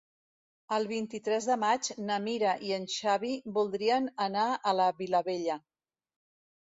El vint-i-tres de maig na Mira i en Xavi voldrien anar a la Vilavella.